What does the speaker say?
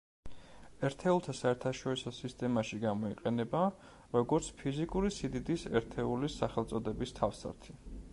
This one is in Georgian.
ერთეულთა საერთაშორისო სისტემაში გამოიყენება, როგორც ფიზიკური სიდიდის ერთეულის სახელწოდების თავსართი.